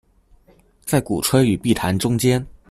在鼓吹與避談中間